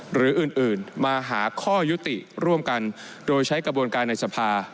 หรืออื่นมาหาข้อยุติร่วมกันโดยใช้กระบวนการในสภา